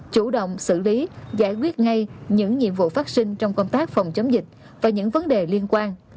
chủ động xử lý giải quyết ngay những nhiệm vụ phát sinh trong công tác phòng chống dịch và những vấn đề liên quan